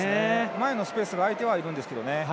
前のスペースが空いてはいるんですけどね。